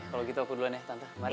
kalo gitu aku duluan ya tante